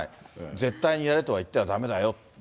絶対にやれとは言ってはだめだよと。